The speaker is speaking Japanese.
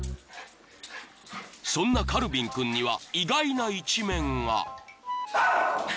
［そんなカルヴィン君には意外な一面が］